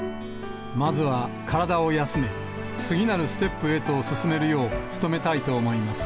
まずは体を休め、次なるステップへと進めるよう努めたいと思います。